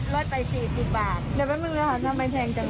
ไม่แพงเอาเนื้อมะพร้าวอ่อนมาทำ